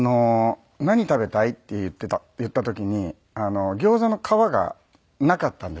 「何食べたい？」って言った時にギョーザの皮がなかったんですよ